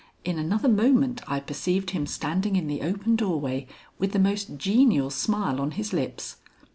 In another moment I perceived him standing in the open doorway with the most genial smile on his lips.